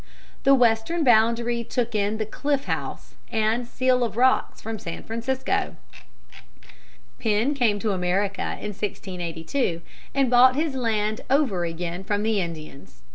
The western boundary took in the Cliff House and Seal Rocks of San Francisco. Penn came to America in 1682 and bought his land over again from the Indians.